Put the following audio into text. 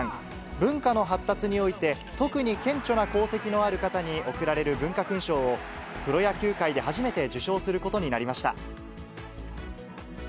文化の発達において、特に顕著な功績のある方に贈られる文化勲章を、プロ野球界で初めて受章することになりました。